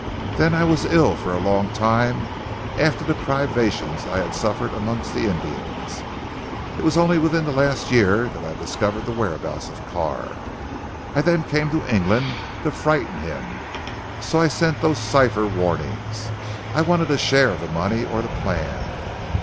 Then I was ill for a long time after the privations I had suffered amongst the Indians. It was only within the last year that I discovered the whereabouts of Carr. I then came to England to frighten him. So I sent those cipher warnings. I wanted a share of the money' or the plan.